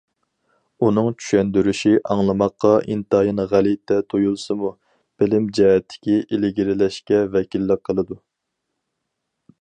ئۇنىڭ چۈشەندۈرۈشى ئاڭلىماققا ئىنتايىن غەلىتە تۇيۇلسىمۇ، بىلىم جەھەتتىكى ئىلگىرىلەشكە ۋەكىللىك قىلىدۇ.